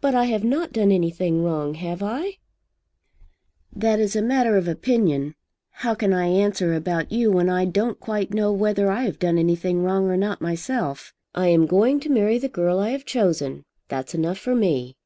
"But I have not done anything wrong. Have I?" "That is a matter of opinion. How can I answer about you when I don't quite know whether I have done anything wrong or not myself? I am going to marry the girl I have chosen. That's enough for me."